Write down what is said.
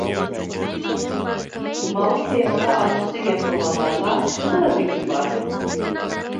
ماۋۇ تېمىغا ئارتۇقچە گەپ قىلغانلارغا شۇنىلا دېگۈم بار.